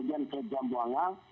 kemudian ke jambuanga